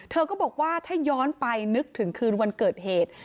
เธอก็บอกว่าถ้าย้อนไปนึกถึงคืนวันเกิดเหตุ